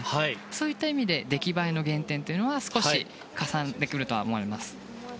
そういった意味で出来栄えの減点が少しかさんでくると思います。